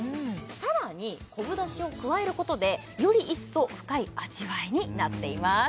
さらに昆布だしを加えることでより一層深い味わいになっています